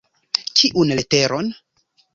Kiun leteron?